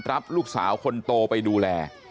รับลูกสาวคนโตไปดูแล